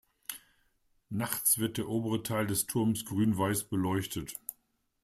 Nachts wird der obere Teil des Turms grün-weiß beleuchtet.